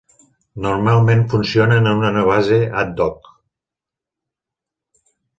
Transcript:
Normalment funcionen en una base ad-hoc.